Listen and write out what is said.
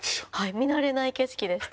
見慣れない景色でした。